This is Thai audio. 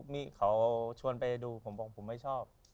มีเขาชวนไปดูผมบอกผมไม่ชอบ